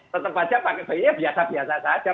tetap saja pakai bajunya biasa biasa saja